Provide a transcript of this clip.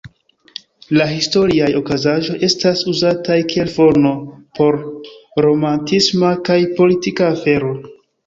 La historiaj okazaĵoj estas uzataj kiel fono por romantisma kaj politika afero.